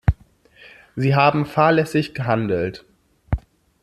Sie haben fahrlässig gehandelt.